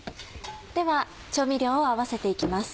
では調味料を合わせていきます。